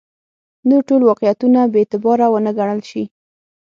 نور ټول واقعیتونه بې اعتباره ونه ګڼل شي.